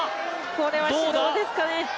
これは指導ですかね。